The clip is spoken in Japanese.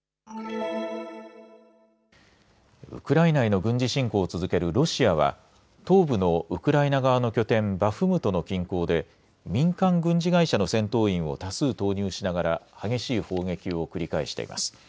ウクライナへの軍事侵攻を続けるロシアは東部のウクライナ側の拠点、バフムトの近郊で民間軍事会社の戦闘員を多数投入しながら激しい砲撃を繰り返しています。